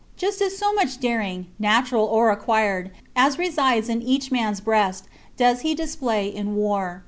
Just so much daring, natural or acquired, as resides in each man's breast, does he display in war.